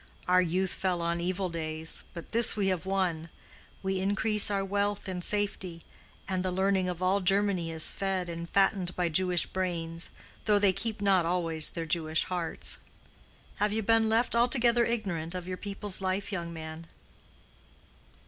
Our youth fell on evil days; but this we have won; we increase our wealth in safety, and the learning of all Germany is fed and fattened by Jewish brains—though they keep not always their Jewish hearts. Have you been left altogether ignorant of your people's life, young man?"